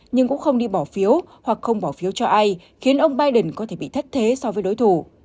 nhưng cũng không đi bỏ phiếu hoặc không bỏ phiếu cho ai khiến ông biden có thể bị thất thế so với đối thủ